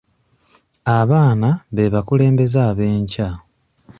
Abaana be bakulembeze ab'enkya.